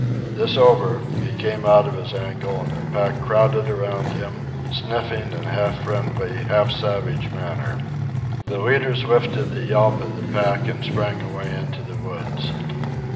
This over, he came out of his angle and the pack crowded around him, sniffing in half friendly, half savage manner. The leaders lifted the yelp of the pack and sprang away into the woods.